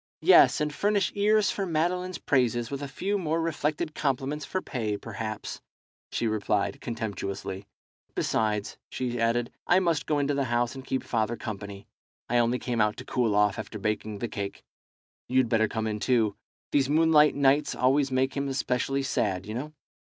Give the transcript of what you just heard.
"Yes, and furnish ears for Madeline's praises, with a few more reflected compliments for pay, perhaps," she replied, contemptuously. "Besides," she added, "I must go into the house and keep father company. I only came out to cool off after baking the cake. You'd better come in too. These moonlight nights always make him specially sad, you know."